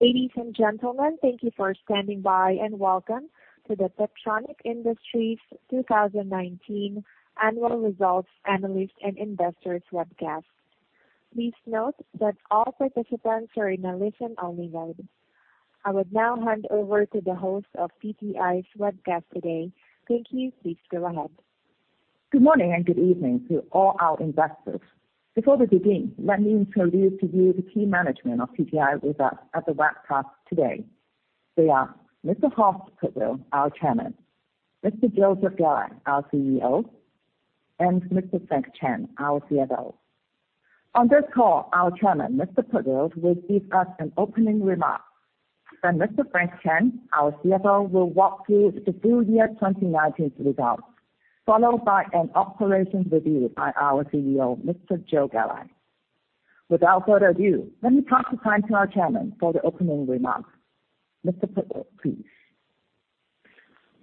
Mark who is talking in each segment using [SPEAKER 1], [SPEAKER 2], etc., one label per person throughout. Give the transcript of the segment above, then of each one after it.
[SPEAKER 1] Ladies and gentlemen, thank you for standing by, and welcome to the Techtronic Industries 2019 Annual Results Analysts and Investors Webcast. Please note that all participants are in a listen-only mode. I would now hand over to the host of TTI's webcast today. Thank you. Please go ahead.
[SPEAKER 2] Good morning, and good evening to all our investors. Before we begin, let me introduce to you the key management of TTI with us at the webcast today. They are Mr. Horst Pudwill, our Chairman, Mr. Joe Galli, our CEO, and Mr. Frank Chan, our CFO. On this call, our Chairman, Mr. Pudwill, will give us an opening remark. Mr. Frank Chan, our CFO, will walk through the full year 2019's results, followed by an operations review by our CEO, Mr. Joe Galli. Without further ado, let me pass the time to our Chairman for the opening remarks. Mr. Pudwill, please.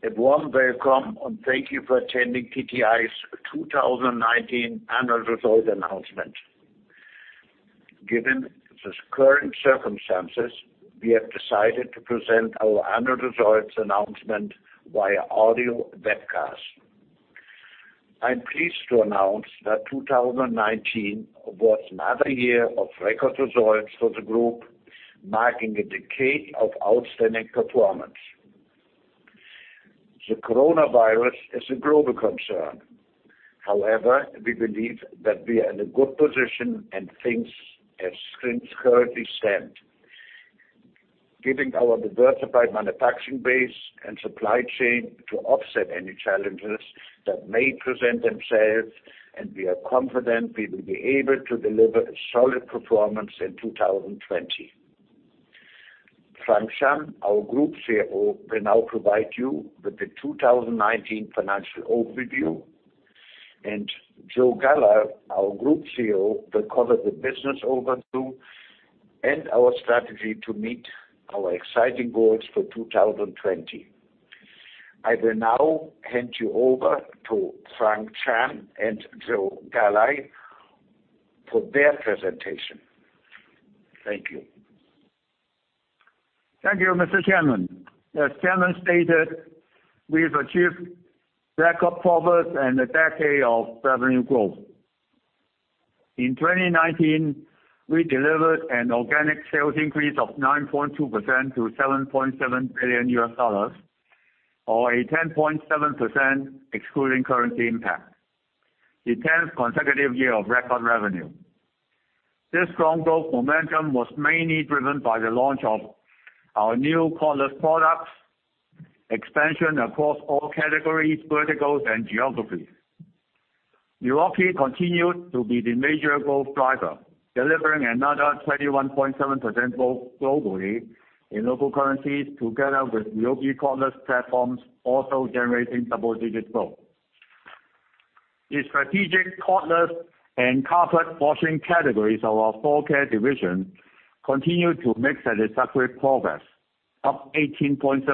[SPEAKER 3] A warm welcome, thank you for attending TTI's 2019 Annual Results Announcement. Given the current circumstances, we have decided to present our annual results announcement via audio webcast. I'm pleased to announce that 2019 was another year of record results for the group, marking a decade of outstanding performance. The coronavirus is a global concern. We believe that we are in a good position as things currently stand. Given our diversified manufacturing base and supply chain to offset any challenges that may present themselves, and we are confident we will be able to deliver a solid performance in 2020. Frank Chan, our Group CFO, will now provide you with the 2019 financial overview, and Joe Galli, our Group CEO, will cover the business overview and our strategy to meet our exciting goals for 2020. I will now hand you over to Frank Chan and Joe Galli for their presentation. Thank you.
[SPEAKER 4] Thank you, Mr. Chairman. As Chairman stated, we've achieved record profits and a decade of revenue growth. In 2019, we delivered an organic sales increase of 9.2% to $7.7 billion, or a 10.7% excluding currency impact, the 10th consecutive year of record revenue. This strong growth momentum was mainly driven by the launch of our new cordless products, expansion across all categories, verticals, and geographies. Milwaukee continued to be the major growth driver, delivering another 21.7% growth globally in local currencies, together with Ryobi cordless platforms also generating double-digit growth. The strategic cordless and carpet washing categories of our floor care division continued to make satisfactory progress, up 18.7%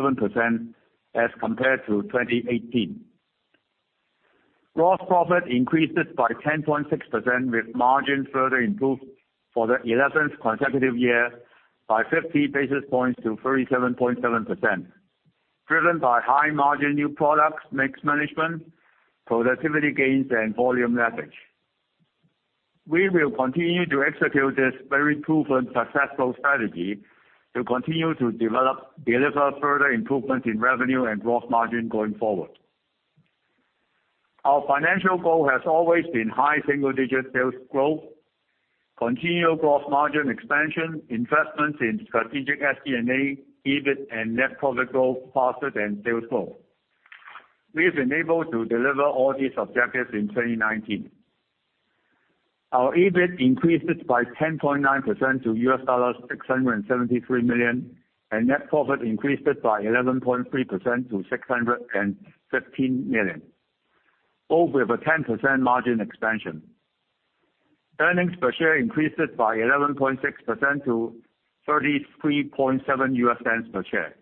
[SPEAKER 4] as compared to 2018. Gross profit increased by 10.6%, with margin further improved for the 11th consecutive year by 50 basis points to 37.7%, driven by high-margin new products, mix management, productivity gains, and volume leverage. We will continue to execute this very proven successful strategy to continue to deliver further improvements in revenue and gross margin going forward. Our financial goal has always been high single-digit sales growth, continual gross margin expansion, investments in strategic SG&A, EBIT, and net profit growth faster than sales growth. We've been able to deliver all these objectives in 2019. Our EBIT increased by 10.9% to $673 million, and net profit increased by 11.3% to $615 million, both with a 10% margin expansion. Earnings per share increased by 11.6% to $0.337 per share.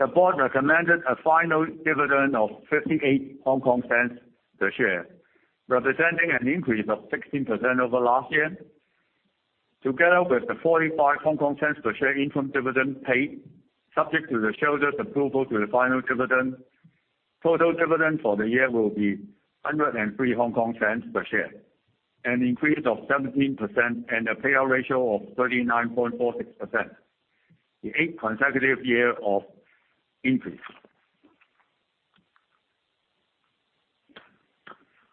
[SPEAKER 4] The board recommended a final dividend of 0.58 per share, representing an increase of 16% over last year. Together with the 0.45 per share interim dividend paid, subject to the shareholders' approval to the final dividend, total dividend for the year will be 1.03 per share, an increase of 17%, and a payout ratio of 39.46%, the eighth consecutive year of increase.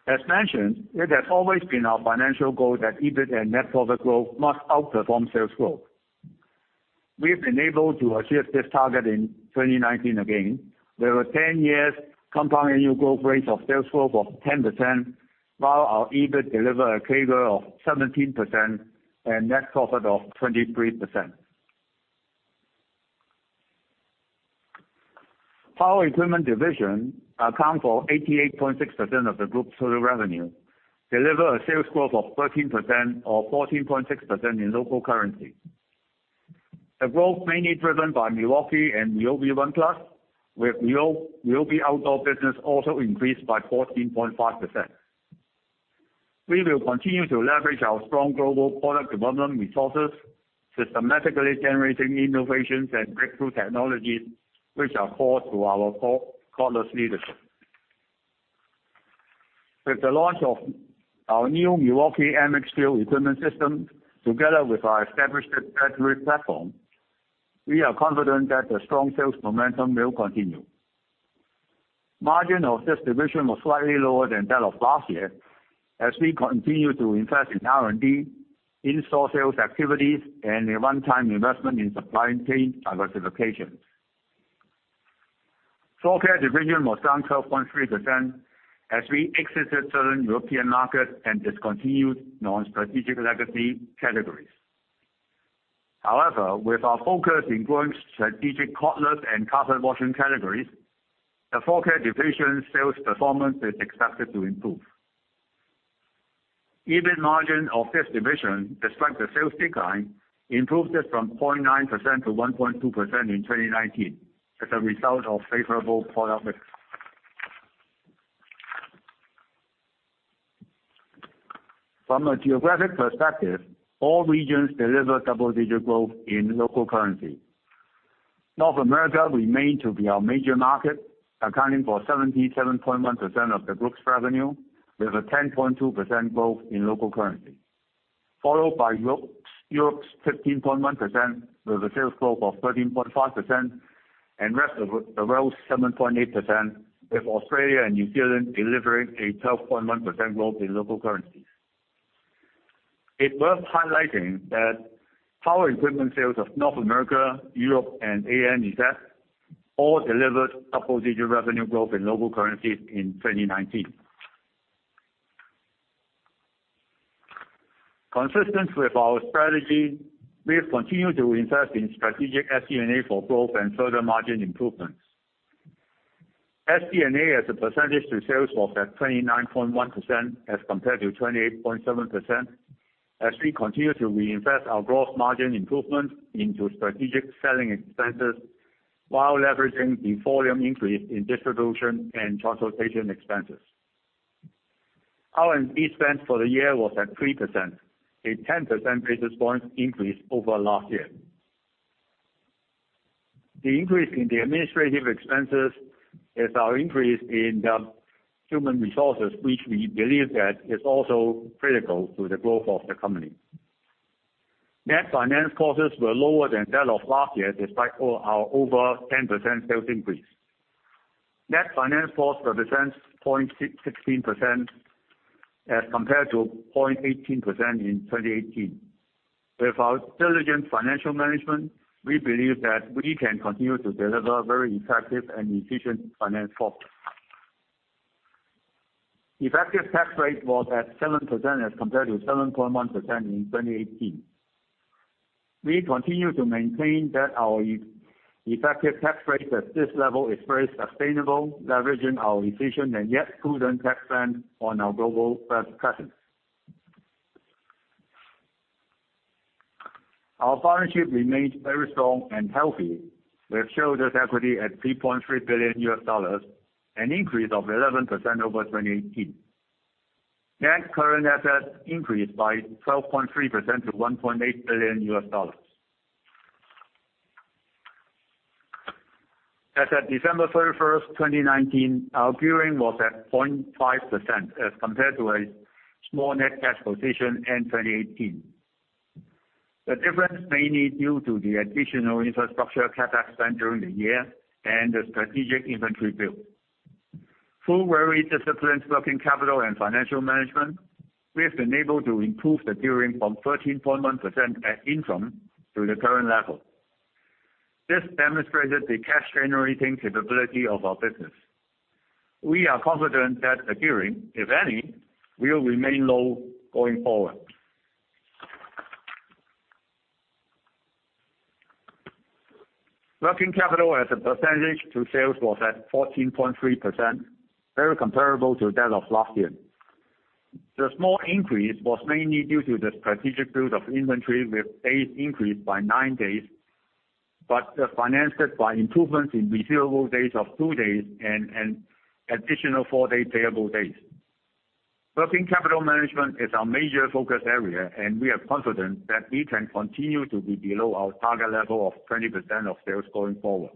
[SPEAKER 4] As mentioned, it has always been our financial goal that EBIT and net profit growth must outperform sales growth. We've been able to achieve this target in 2019 again, with a 10-year compound annual growth rate of sales growth of 10%, while our EBIT delivered a CAGR of 17% and net profit of 23%. Power equipment division account for 88.6% of the group's total revenue, deliver a sales growth of 13% or 14.6% in local currency. The growth mainly driven by Milwaukee and Ryobi One+, with Ryobi outdoor business also increased by 14.5%. We will continue to leverage our strong global product development resources, systematically generating innovations and breakthrough technologies which are core to our cordless leadership. With the launch of our new Milwaukee MX FUEL equipment system, together with our established M18 platform, we are confident that the strong sales momentum will continue. Margin of this division was slightly lower than that of last year, as we continue to invest in R&D, in store sales activities, and a one-time investment in supply chain diversification. Floor care division was down 12.3% as we exited certain European markets and discontinued non-strategic legacy categories. With our focus in growing strategic cordless and carpet washing categories, the floor care division sales performance is expected to improve. EBIT margin of this division, despite the sales decline, improved it from 0.9% to 1.2% in 2019 as a result of favorable product mix. From a geographic perspective, all regions delivered double-digit growth in local currency. North America remained to be our major market, accounting for 77.1% of the group's revenue, with a 10.2% growth in local currency. Followed by Europe's 15.1% with a sales growth of 13.5%, and rest of the world, 7.8%, with Australia and New Zealand delivering a 12.1% growth in local currency. It's worth highlighting that power equipment sales of North America, Europe, and ANZ all delivered double-digit revenue growth in local currencies in 2019. Consistent with our strategy, we've continued to invest in strategic SG&A for growth and further margin improvements. SG&A as a percentage to sales was at 29.1% as compared to 28.7% as we continue to reinvest our growth margin improvement into strategic selling expenses while leveraging the volume increase in distribution and transportation expenses. R&D spend for the year was at 3%, a 10 basis points increase over last year. The increase in the administrative expenses is our increase in the human resources, which we believe that is also critical to the growth of the company. Net finance costs were lower than that of last year despite our over 10% sales increase. Net finance costs were 0.16% as compared to 0.18% in 2018. With our diligent financial management, we believe that we can continue to deliver very effective and efficient finance costs. Effective tax rate was at 7% as compared to 7.1% in 2018. We continue to maintain that our effective tax rate at this level is very sustainable, leveraging our efficient and yet prudent tax plan on our global tax presence. Our balance sheet remains very strong and healthy, with shareholders' equity at $3.3 billion, an increase of 11% over 2018. Net current assets increased by 12.3% to $1.8 billion. As at December 31st, 2019, our gearing was at 0.5% as compared to a small net cash position in 2018. The difference mainly due to the additional infrastructure CapEx spend during the year and the strategic inventory build. Through very disciplined working capital and financial management, we have been able to improve the gearing from 13.1% at interim to the current level. This demonstrated the cash-generating capability of our business. We are confident that the gearing, if any, will remain low going forward. Working capital as a percentage to sales was at 14.3%, very comparable to that of last year. The small increase was mainly due to the strategic build of inventory with days increased by nine days, but financed by improvements in receivable days of two days and an additional four-day payable days. Working capital management is our major focus area, and we are confident that we can continue to be below our target level of 20% of sales going forward.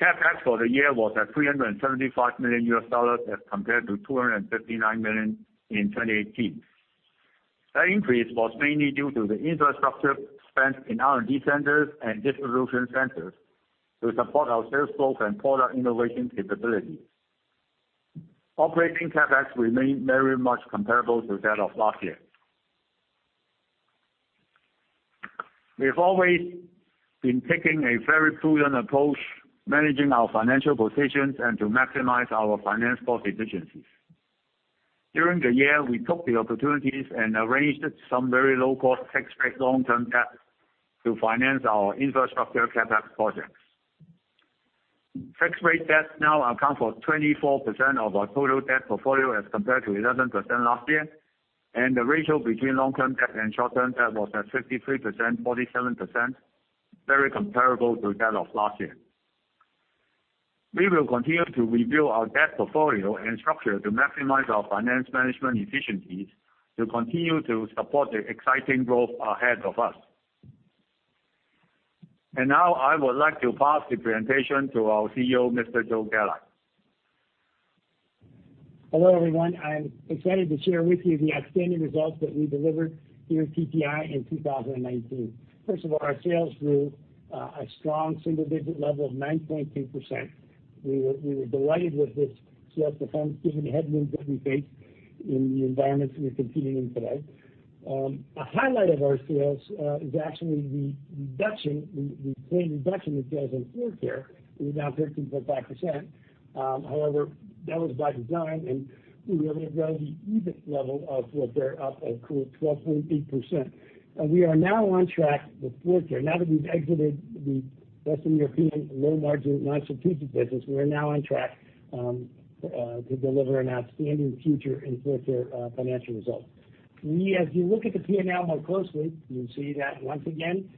[SPEAKER 4] CapEx for the year was at $375 million as compared to $259 million in 2018. That increase was mainly due to the infrastructure spent in R&D centers and distribution centers to support our sales growth and product innovation capabilities. Operating CapEx remained very much comparable to that of last year. We've always been taking a very prudent approach, managing our financial positions and to maximize our finance cost efficiencies. During the year, we took the opportunities and arranged some very low-cost tax rate long-term debt to finance our infrastructure CapEx projects. Fixed-rate debts now account for 24% of our total debt portfolio as compared to 11% last year. The ratio between long-term debt and short-term debt was at 53%, 47%, very comparable to that of last year. We will continue to review our debt portfolio and structure to maximize our finance management efficiencies to continue to support the exciting growth ahead of us. Now I would like to pass the presentation to our CEO, Mr. Joe Galli.
[SPEAKER 5] Hello, everyone. I'm excited to share with you the outstanding results that we delivered here at TTI in 2019. First of all, our sales grew a strong single-digit level of 9.2%. We were delighted with this sales performance given the headwinds that we face in the environment we're competing in today. A highlight of our sales is actually the reduction, the planned reduction in sales in floor care is down 13.5%. However, that was by design, and we were able to grow the EBIT level of floor care up a cool 12.8%. We are now on track with floor care. Now that we've exited the Western European low-margin, non-strategic business, we are now on track to deliver an outstanding future in floor care financial results. As you look at the P&L more closely, you'll see that once again,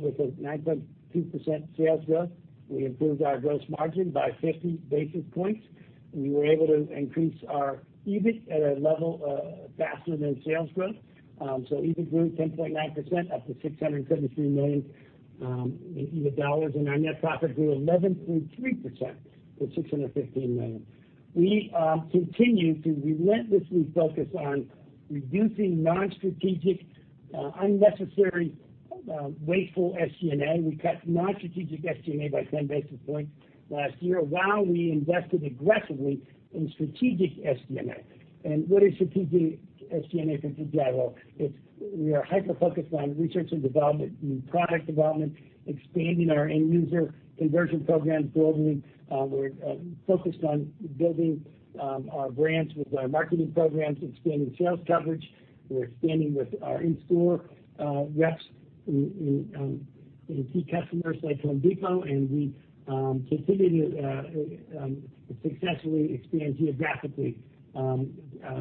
[SPEAKER 5] with a 9.2% sales growth, we improved our gross margin by 50 basis points. We were able to increase our EBIT at a level faster than sales growth. EBIT grew 10.9%, up to $673 million, and our net profit grew 11.3% to $615 million. We continue to relentlessly focus on reducing non-strategic, unnecessary, wasteful SG&A. We cut non-strategic SG&A by 10 basis points last year, while we invested aggressively in strategic SG&A. What is strategic SG&A for TTI? Well, we are hyper-focused on research and development, new product development, expanding our end-user conversion programs globally. We're focused on building our brands with our marketing programs, expanding sales coverage. We're expanding with our in-store reps in key customers like The Home Depot, and we continue to successfully expand geographically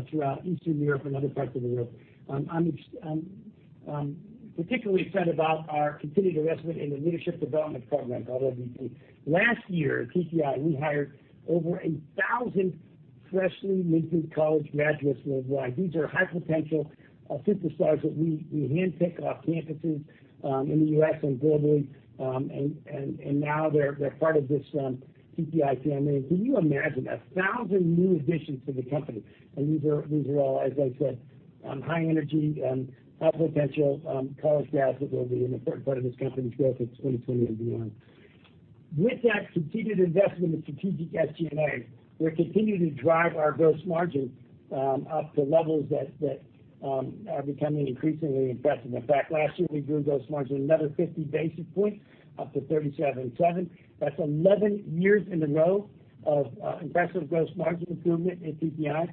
[SPEAKER 5] throughout Eastern Europe and other parts of the world. I'm particularly excited about our continued investment in the Leadership Development Program, called LDP. Last year at TTI, we hired over 1,000 freshly minted college graduates worldwide. These are high-potential sympathizers that we handpick off campuses in the U.S. and globally. Now they're part of this TTI family. Can you imagine 1,000 new additions to the company? These are all, as I said, high-energy, high-potential college grads that will be an important part of this company's growth in 2020 and beyond. With that continued investment in strategic SG&A, we're continuing to drive our gross margin up to levels that are becoming increasingly impressive. In fact, last year we grew gross margin another 50 basis points up to 37.7%. That's 11 years in a row of impressive gross margin improvement at TTI.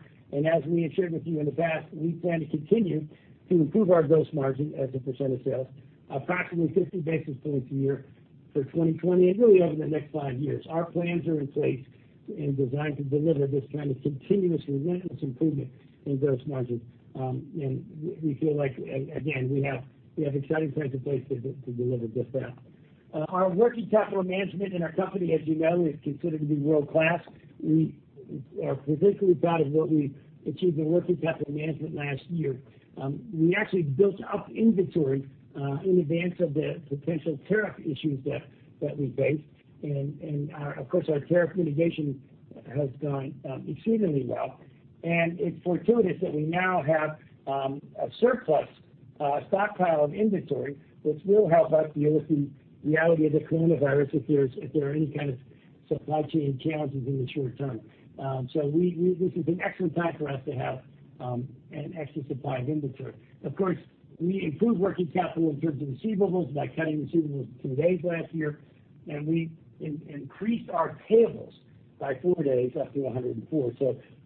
[SPEAKER 5] As we have shared with you in the past, we plan to continue to improve our gross margin as a percent of sales, approximately 50 basis points a year for 2020 and really over the next five years. Our plans are in place and designed to deliver this kind of continuous relentless improvement in gross margin. We feel like, again, we have exciting plans in place to deliver just that. Our working capital management in our company, as you know, is considered to be world-class. We are particularly proud of what we achieved in working capital management last year. We actually built up inventory in advance of the potential tariff issues that we faced, and of course our tariff mitigation has gone exceedingly well, and it's fortuitous that we now have a surplus, a stockpile of inventory, which will help us deal with the reality of the coronavirus if there are any kind of supply chain challenges in the short term. This is an excellent time for us to have an extra supply of inventory. Of course, we improved working capital in terms of receivables by cutting receivables two days last year, and we increased our payables by four days up to 104.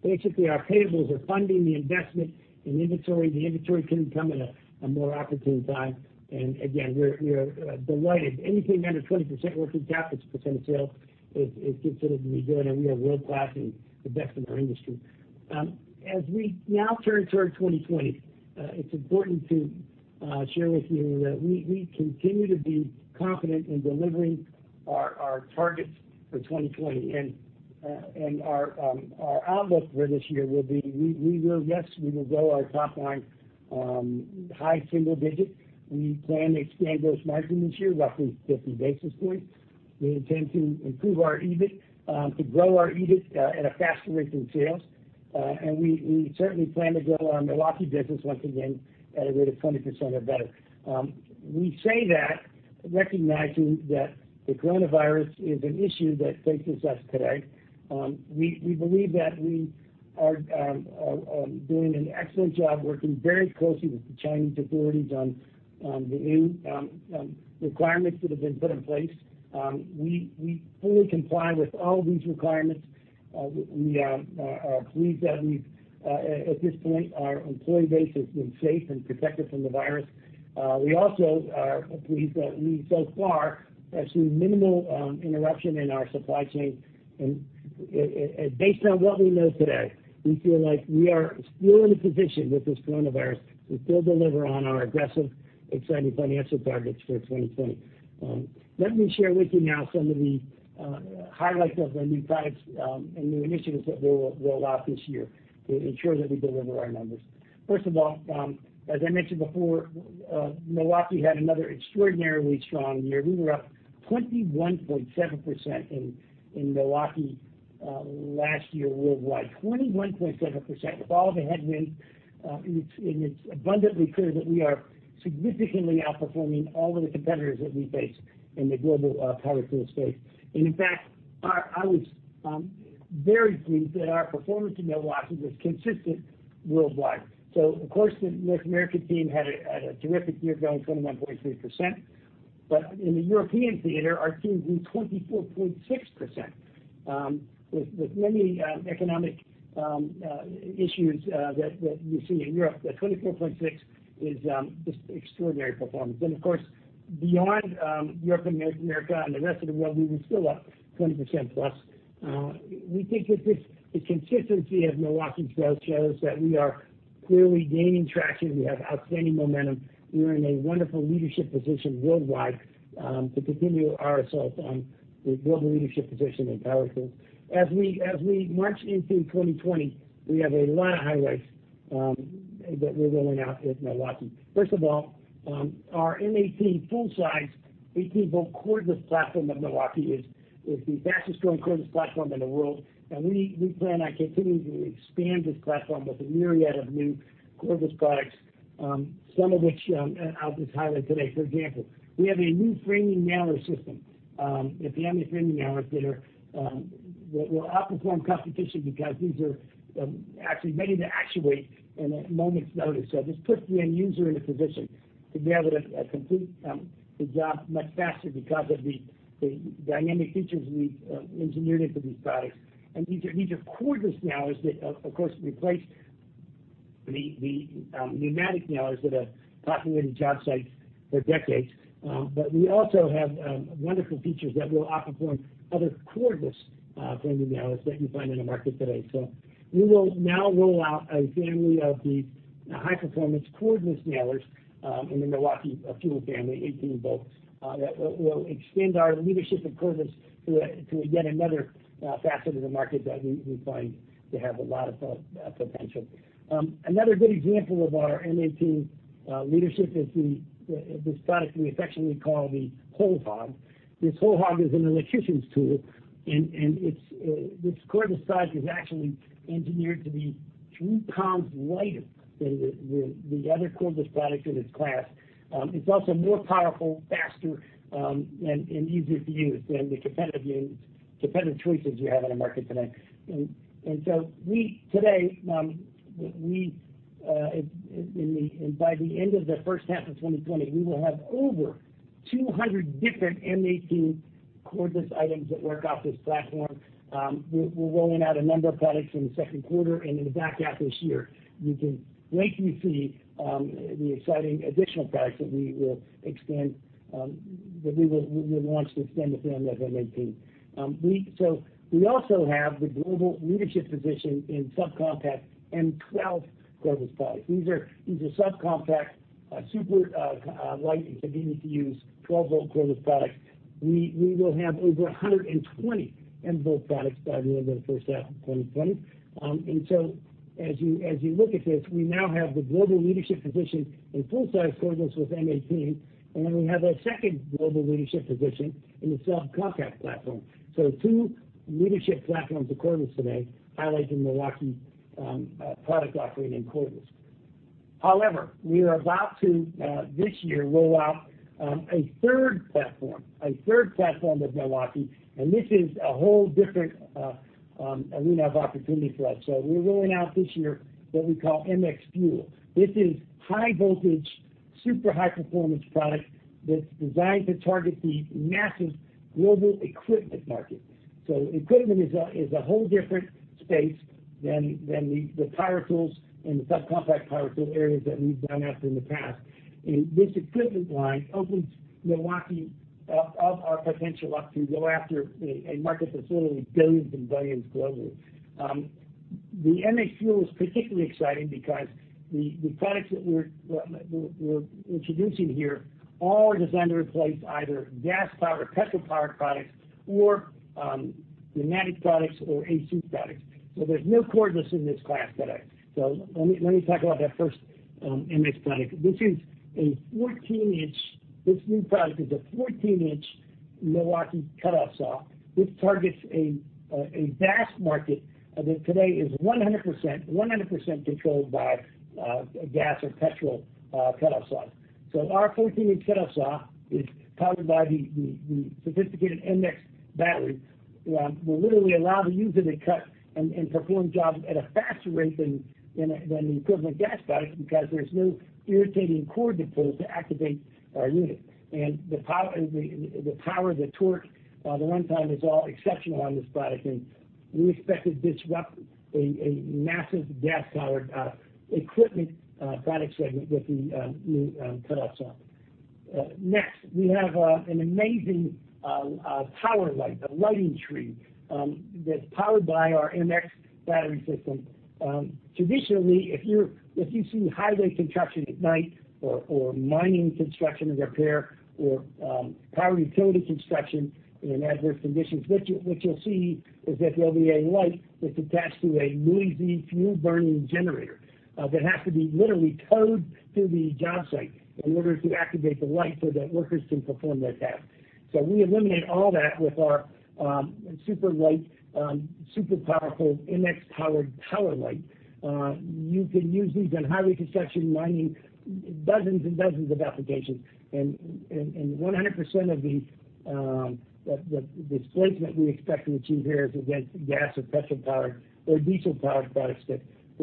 [SPEAKER 5] Basically, our payables are funding the investment in inventory. The inventory couldn't come at a more opportune time, and again, we're delighted. Anything under 20% working capital as a percent of sale is considered to be good. We are world-class and the best in our industry. As we now turn toward 2020, it's important to share with you that we continue to be confident in delivering our targets for 2020. Our outlook for this year will be, yes, we will grow our top line high single digits. We plan to expand gross margin this year roughly 50 basis points. We intend to improve our EBIT, to grow our EBIT at a faster rate than sales. We certainly plan to grow our Milwaukee business once again at a rate of 20% or better. We say that recognizing that the coronavirus is an issue that faces us today. We believe that we are doing an excellent job working very closely with the Chinese authorities on the new requirements that have been put in place. We fully comply with all these requirements. We are pleased that we've, at this point, our employee base has been safe and protected from the virus. We also are pleased that we so far have seen minimal interruption in our supply chain, and based on what we know today, we feel like we are still in a position with this coronavirus to still deliver on our aggressive, exciting financial targets for 2020. Let me share with you now some of the highlights of our new products and new initiatives that we will roll out this year to ensure that we deliver our numbers. First of all, as I mentioned before, Milwaukee had another extraordinarily strong year. We were up 21.7% in Milwaukee last year worldwide. 21.7% with all of the headwind, it's abundantly clear that we are significantly outperforming all of the competitors that we face in the global power tool space. In fact, I was very pleased that our performance in Milwaukee was consistent worldwide. Of course, the North American team had a terrific year, growing 21.3%. In the European theater, our team grew 24.6%. With many economic issues that you see in Europe, that 24.6% is just extraordinary performance. Of course, beyond Europe and North America and the rest of the world, we were still up 20%+. We think that this consistency of Milwaukee's growth shows that we are clearly gaining traction. We have outstanding momentum. We are in a wonderful leadership position worldwide to continue our assault on the global leadership position in power tools. As we march into 2020, we have a lot of highlights that we're rolling out with Milwaukee. First of all, our M18 full-size 18-volts cordless platform of Milwaukee is the fastest growing cordless platform in the world. We plan on continuing to expand this platform with a myriad of new cordless products, some of which I'll just highlight today. For example, we have a new framing nailer system, a family of framing nailers that will outperform competition because these are actually ready to actuate in a moment's notice. This puts the end user in a position to be able to complete the job much faster because of the dynamic features we've engineered into these products. These are cordless nailers that, of course, replace the pneumatic nailers that have populated job sites for decades. We also have wonderful features that will outperform other cordless framing nailers that you find in the market today. We will now roll out a family of these high performance cordless nailers in the Milwaukee FUEL family, 18 volts, that will extend our leadership in cordless to yet another facet of the market that we find to have a lot of potential. Another good example of our M18 leadership is this product we affectionately call the Hole Hawg. This Hole Hawg is an electrician's tool, and this cordless saw is actually engineered to be two pounds lighter than the other cordless products in its class. It's also more powerful, faster, and easier to use than the competitive units, competitive choices you have in the market today. By the end of the first half of 2020, we will have over 200 different M18 cordless items that work off this platform. We're rolling out a number of products in the second quarter and in the back half this year. You can wait to see the exciting additional products that we will launch to extend the family of M18. We also have the global leadership position in subcompact M12 cordless products. These are subcompact, super light and convenient to use 12 volt cordless products. We will have over 120 M12 products by the end of the first half of 2020. As you look at this, we now have the global leadership position in full-size cordless with M18, and then we have a second global leadership position in the subcompact platform. Two leadership platforms in cordless today, highlighting Milwaukee product offering in cordless. We are about to, this year, roll out a third platform with Milwaukee, and this is a whole different arena of opportunity for us. We're rolling out this year what we call MX FUEL. This is high voltage, super high performance product that's designed to target the massive global equipment market. Equipment is a whole different space than the power tools and the subcompact power tool areas that we've gone after in the past. This equipment line opens Milwaukee up our potential up to go after a market that's literally billions and billions globally. The MX FUEL is particularly exciting because the products that we're introducing here all are designed to replace either gas powered, petrol powered products or pneumatic products or AC products. There's no cordless in this class today. Let me talk about that first MX product. This new product is a 14-inch Milwaukee cutoff saw. This targets a vast market that today is 100% controlled by gas or petrol cutoff saws. Our 14-inch cutoff saw is powered by the sophisticated MX battery, will literally allow the user to cut and perform jobs at a faster rate than the equivalent gas product because there's no irritating cord to pull to activate our unit. The power, the torque, the runtime is all exceptional on this product, and we expect to disrupt a massive gas-powered equipment product segment with the new cutoff saw. Next, we have an amazing power light, a lighting tree that's powered by our MX battery system. Traditionally, if you see highway construction at night or mining construction and repair or power utility construction in adverse conditions, what you'll see is that there'll be a light that's attached to a noisy fuel-burning generator that has to be literally towed to the job site in order to activate the light so that workers can perform their task. We eliminate all that with our super light, super powerful MX FUEL-powered power light. You can use these on highway construction, mining, dozens and dozens of applications, and 100% of the displacement we expect to achieve here is against gas or petrol-powered or diesel-powered products that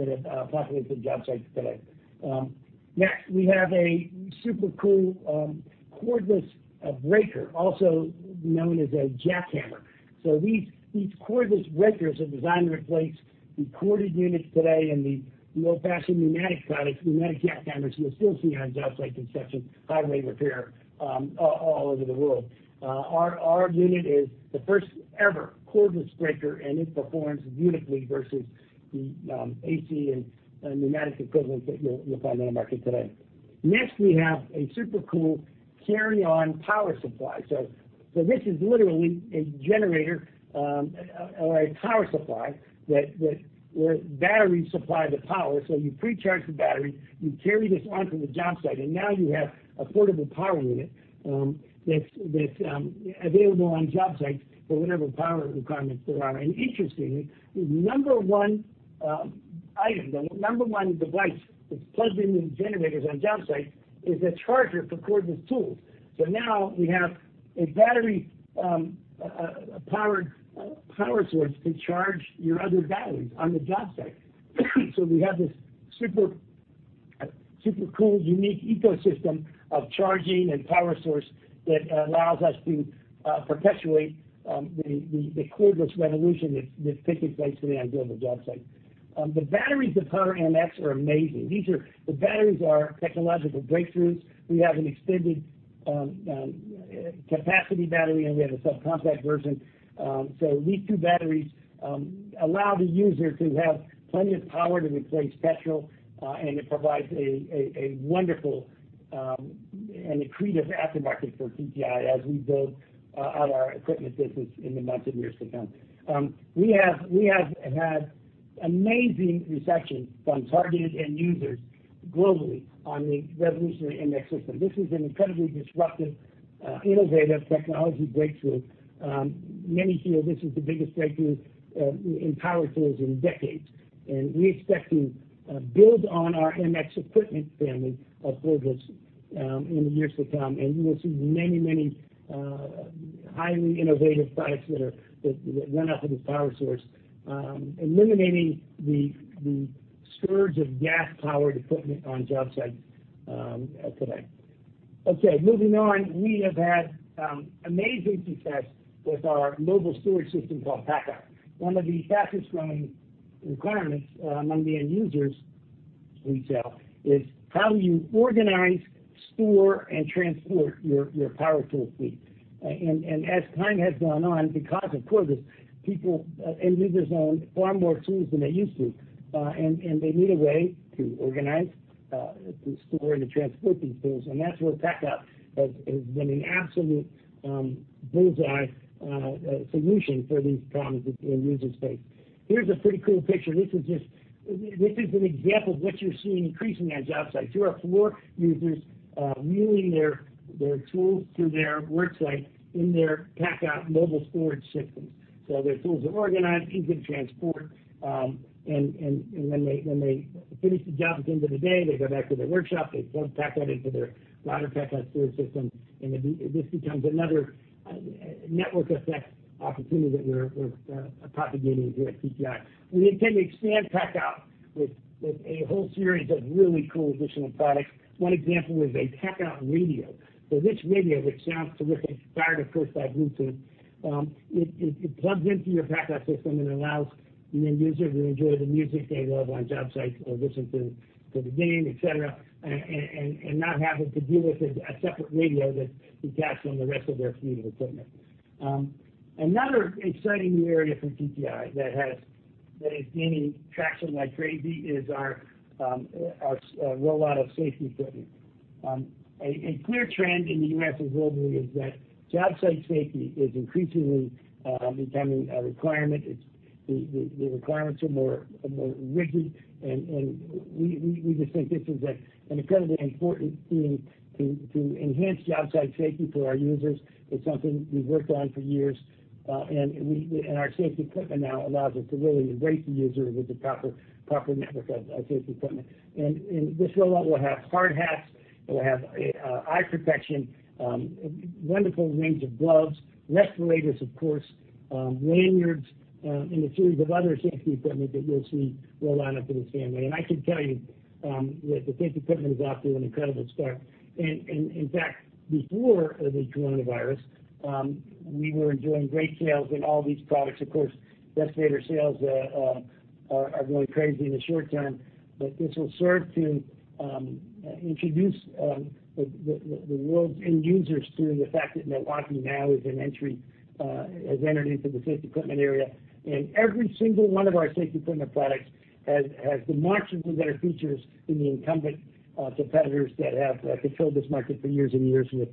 [SPEAKER 5] have populated job sites today. Next, we have a super cool cordless breaker, also known as a jackhammer. These cordless breakers are designed to replace the corded units today and the old-fashioned pneumatic products, pneumatic jackhammers you'll still see on job site construction, highway repair, all over the world. Our unit is the first ever cordless breaker, and it performs beautifully versus the AC and pneumatic equivalents that you'll find on the market today. Next, we have a super cool carry-on power supply. This is literally a generator or a power supply where batteries supply the power. You pre-charge the battery, you carry this onto the job site, and now you have a portable power unit that's available on job sites for whatever power requirements there are. Interestingly, the number one item, the number one device that's plugged into these generators on job sites is a charger for cordless tools. Now we have a battery powered source to charge your other batteries on the job site. We have this super cool, unique ecosystem of charging and power source that allows us to perpetuate the cordless revolution that's taking place today on global job sites. The batteries that power MX are amazing. The batteries are technological breakthroughs. We have an extended capacity battery, and we have a subcompact version. These two batteries allow the user to have plenty of power to replace petrol, and it provides a wonderful and accretive aftermarket for TTI as we build out our equipment business in the months and years to come. We have had amazing reception from targeted end users globally on the revolutionary MX system. This is an incredibly disruptive, innovative technology breakthrough. Many feel this is the biggest breakthrough in power tools in decades. We expect to build on our MX equipment family of cordless in the years to come. You will see many, many highly innovative products that run off of this power source, eliminating the scourge of gas-powered equipment on job sites today. Okay, moving on. We have had amazing success with our mobile storage system called PACKOUT. One of the fastest growing requirements among the end users we sell is how you organize, store, and transport your power tool fleet. As time has gone on, because of cordless, end users own far more tools than they used to. They need a way to organize, to store, and to transport these tools. That's where PACKOUT has been an absolute bullseye solution for these problems that end users face. Here's a pretty cool picture. This is an example of what you're seeing increasingly on job sites. Here are four users wheeling their tools to their work site in their PACKOUT mobile storage systems. Their tools are organized, easy to transport, and when they finish the job at the end of the day, they go back to their workshop, they plug PACKOUT into their larger PACKOUT storage system, and this becomes another network effect opportunity that we're propagating here at TTI. We intend to expand PACKOUT with a whole series of really cool additional products. One example is a PACKOUT radio. This radio, which sounds terrific, powered of course by Bluetooth, it plugs into your PACKOUT system and allows the end user to enjoy the music they love on job sites or listen to the game, et cetera, and not having to deal with a separate radio that detaches on the rest of their fleet of equipment. Another exciting new area for TTI that is gaining traction like crazy is our rollout of safety equipment. A clear trend in the U.S. and globally is that job site safety is increasingly becoming a requirement. The requirements are more rigid, and we just think this is an incredibly important thing to enhance job site safety for our users. It's something we've worked on for years. Our safety equipment now allows us to really embrace the user with the proper network of safety equipment. This rollout will have hard hats, it will have eye protection, a wonderful range of gloves, respirators, of course, lanyards, and a series of other safety equipment that you'll see rollout up in this family. I can tell you that the safety equipment is off to an incredible start. In fact, before the coronavirus, we were enjoying great sales in all these products. Of course, respirator sales are going crazy in the short term. This will serve to introduce the world's end users to the fact that Milwaukee now has entered into the safety equipment area. Every single one of our safety equipment products has demonstrably better features than the incumbent competitors that have controlled this market for years and years with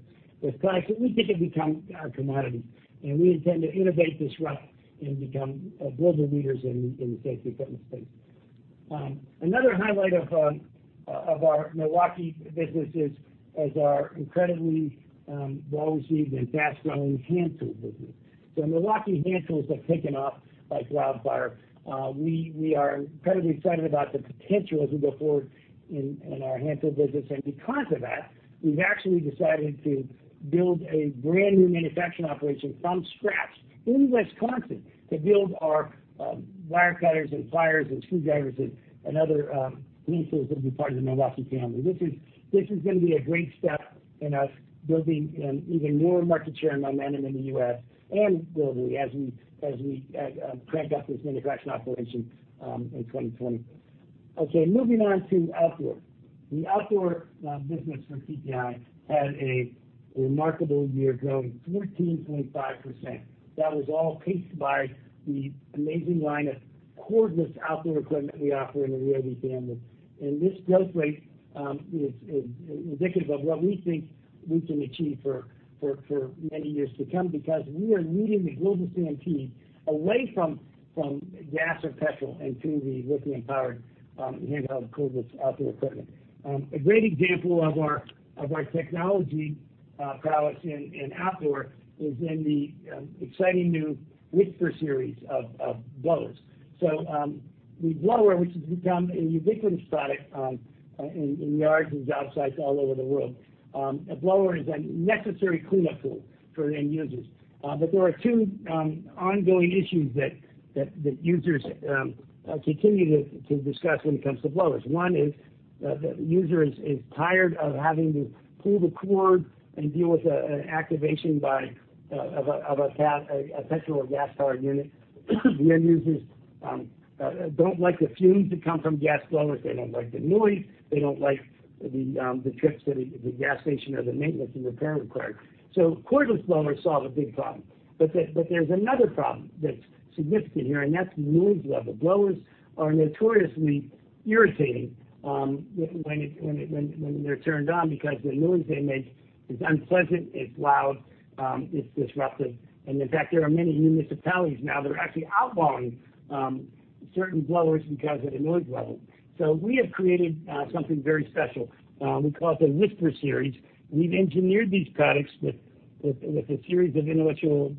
[SPEAKER 5] products that we think have become a commodity, and we intend to innovate, disrupt, and become global leaders in the safety equipment space. Another highlight of our Milwaukee businesses is our incredibly well-received and fast-growing hand tool business. Milwaukee hand tools have taken off like wildfire. We are incredibly excited about the potential as we go forward in our hand tool business. Because of that, we've actually decided to build a brand-new manufacturing operation from scratch in Wisconsin to build our wire cutters and pliers and screwdrivers and other tools that will be part of the Milwaukee family. This is going to be a great step in us building even more market share and momentum in the U.S. and globally as we crank up this manufacturing operation in 2020. Moving on to outdoor. The outdoor business for TTI had a remarkable year, growing 14.5%. That was all paced by the amazing line of cordless outdoor equipment we offer in the Ryobi family. This growth rate is indicative of what we think we can achieve for many years to come, because we are leading the global stampede away from gas or petrol and to the lithium-powered handheld cordless outdoor equipment. A great example of our technology prowess in outdoor is in the exciting new WHISPER SERIES of blowers. The blower, which has become a ubiquitous product in yards and job sites all over the world. A blower is a necessary cleanup tool for end users. There are two ongoing issues that users continue to discuss when it comes to blowers. One is the user is tired of having to pull the cord and deal with an activation of a petrol or gas-powered unit. The end users don't like the fumes that come from gas blowers. They don't like the noise. They don't like the trips to the gas station or the maintenance and repair required. Cordless blowers solve a big problem. There's another problem that's significant here, and that's noise level. Blowers are notoriously irritating when they're turned on because the noise they make is unpleasant, it's loud, it's disruptive. In fact, there are many municipalities now that are actually outlawing certain blowers because of the noise level. We have created something very special. We call it the WHISPER SERIES. We've engineered these products with intellectual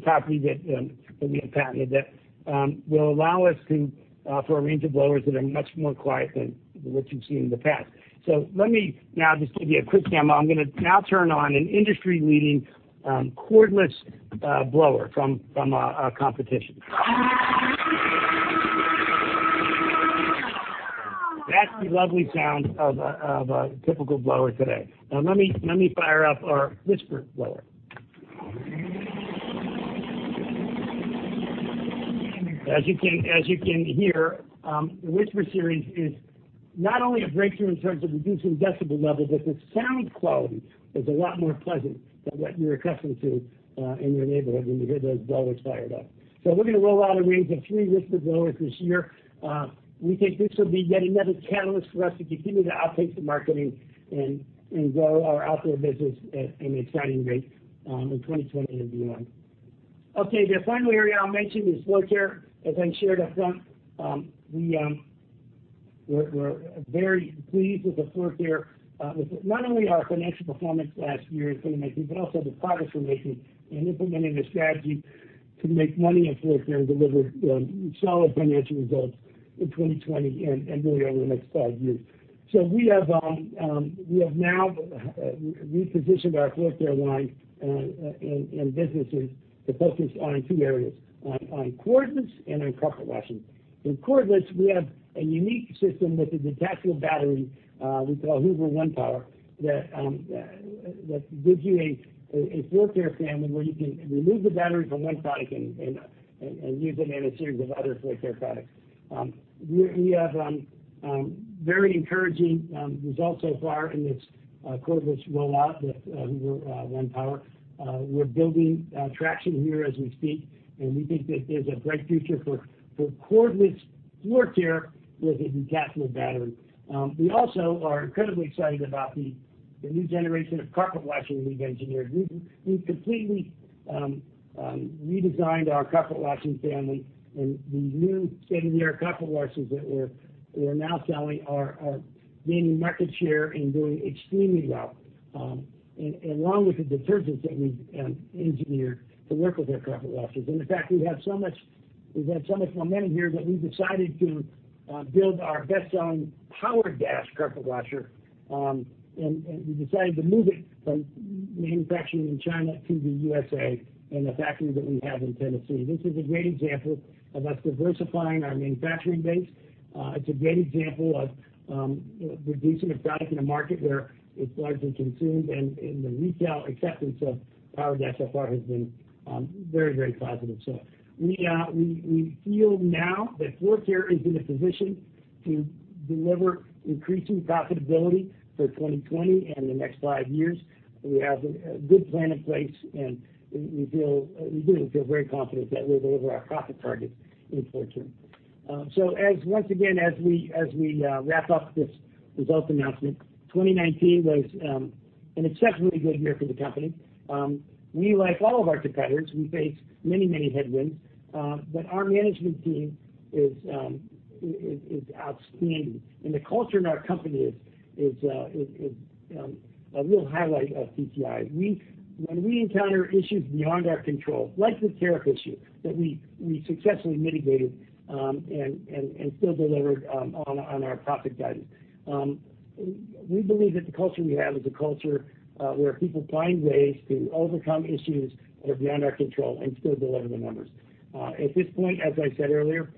[SPEAKER 5] property that we have patented that will allow us to offer a range of blowers that are much more quiet than what you've seen in the past. Let me now just give you a quick demo. I'm going to now turn on an industry-leading cordless blower from our competition. That's the lovely sound of a typical blower today. Let me fire up our Whisper blower. As you can hear, the WHISPER SERIES is not only a breakthrough in terms of reducing decibel levels, but the sound quality is a lot more pleasant than what you're accustomed to in your neighborhood when you hear those blowers fired up. We're going to roll out a range of three Whisper blowers this year. We think this will be yet another catalyst for us to continue to outpace the market and grow our outdoor business at an exciting rate in 2020 and beyond. The final area I'll mention is floor care. As I shared up front, we're very pleased with the floor care, with not only our financial performance last year in 2019, but also the progress we're making in implementing a strategy to make money in floor care and deliver solid financial results in 2020 and really over the next five years. We have now repositioned our floor care line and businesses to focus on two areas, on cordless and on carpet washing. In cordless, we have a unique system with a detachable battery we call Hoover ONEPWR, that gives you a floor care family where you can remove the battery from one product and use it in a series of other floor care products. We have very encouraging results so far in this cordless rollout with Hoover ONEPWR. We're building traction here as we speak, and we think that there's a bright future for cordless floor care with a detachable battery. We also are incredibly excited about the new generation of carpet washing we've engineered. We've completely redesigned our carpet washing family, and the new state-of-the-art carpet washers that we're now selling are gaining market share and doing extremely well, along with the detergents that we've engineered to work with our carpet washers. In fact, we've had so much momentum here that we've decided to build our best-selling PowerDash carpet washer, and we decided to move it from manufacturing in China to the U.S.A. in the factory that we have in Tennessee. This is a great example of us diversifying our manufacturing base. It's a great example of producing a product in a market where it's largely consumed, and the retail acceptance of PowerDash so far has been very positive. We feel now that floor care is in a position to deliver increasing profitability for 2020 and the next five years. We have a good plan in place, and we really feel very confident that we'll deliver our profit target in floor care. Once again, as we wrap up this results announcement, 2019 was an exceptionally good year for the company. We, like all of our competitors, we faced many headwinds. Our management team is outstanding, and the culture in our company is a real highlight of TTI. When we encounter issues beyond our control, like the tariff issue that we successfully mitigated and still delivered on our profit guidance. We believe that the culture we have is a culture where people find ways to overcome issues that are beyond our control and still deliver the numbers. At this point, as I said earlier,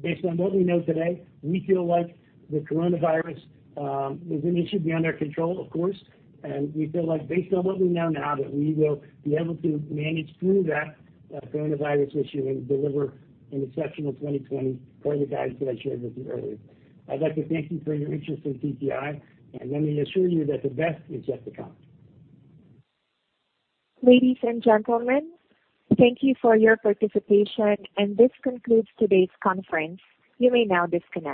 [SPEAKER 5] based on what we know today, we feel like the coronavirus is an issue beyond our control, of course, and we feel like based on what we know now, that we will be able to manage through that coronavirus issue and deliver an exceptional 2020 per the guidance that I shared with you earlier. I'd like to thank you for your interest in TTI, and let me assure you that the best is yet to come.
[SPEAKER 1] Ladies and gentlemen, thank you for your participation. This concludes today's conference. You may now disconnect.